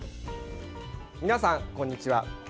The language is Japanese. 皆さん、こんにちは。